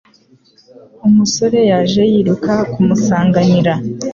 Umusore yaje yiruka kumusanganira.